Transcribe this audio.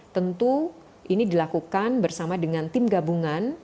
tentu ini dilakukan bersama dengan tim gabungan